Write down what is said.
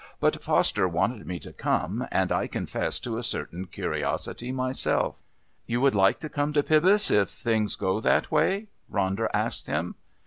But Foster wanted me to come, and I confess to a certain curiosity myself." "You would like to come to Pybus if things go that way?" Ronder asked him.